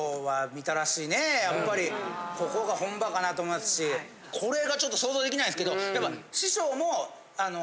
やっぱりここが本場かなと思いますしこれがちょっと想像できないんですけど。